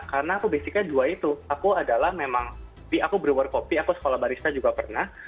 karena aku basicnya dua itu aku adalah memang aku brewer kopi aku sekolah barista juga pernah